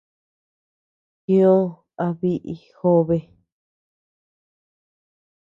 Tio a biʼi jobe.